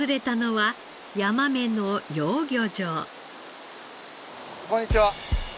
はいこんにちは。